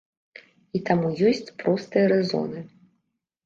І таму ёсць простыя рэзоны.